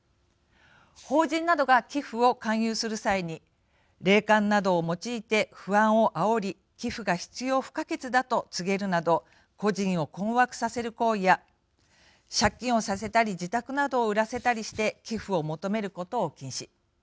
法人などが寄付を勧誘する際に霊感などを用いて不安をあおり寄付が必要不可欠だと告げるなど個人を困惑させる行為や借金をさせたり自宅などを売らせたりして寄付を求めることを禁止。